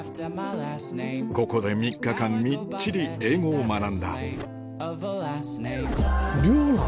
ここで３日間みっちり英語を学んだ寮なの？